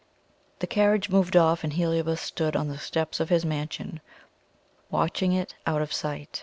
The carriage moved off, and Heliobas stood on the steps of his mansion watching it out of sight.